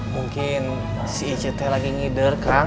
mungkin si icetel lagi ngider kang